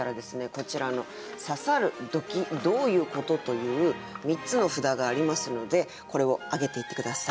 こちらの「刺さる」「ドキッ」「どういうこと？」という３つの札がありますのでこれを挙げていって下さい。